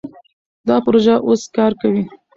دا پروژه اوس کار کوي.